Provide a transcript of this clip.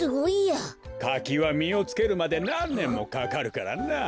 かきはみをつけるまでなんねんもかかるからな。